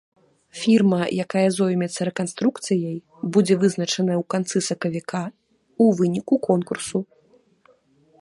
Фірма, якая зоймецца рэканструкцыяй, будзе вызначаная ў канцы сакавіка, у выніку конкурсу.